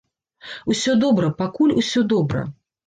Усё добра, пакуль усё добра.